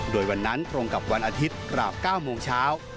โดยวันนั้นตรงกับวันอาทิตย์กราบ๙โมงเช้า